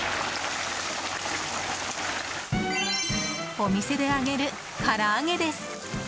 お店で揚げる、唐揚げです。